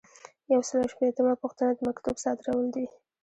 یو سل او شپیتمه پوښتنه د مکتوب صادرول دي.